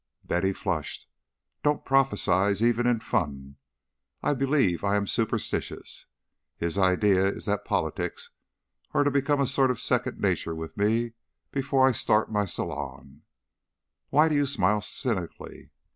Betty flushed. "Don't prophesy, even in fun. I believe I am superstitious. His idea is that politics are to become a sort of second nature with me before I start my salon Why do you smile cynically?